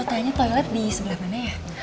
mau tanya toilet di sebelah mana ya